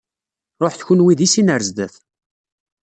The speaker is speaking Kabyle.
Ṛuḥet kunwi deg sin ar zdat.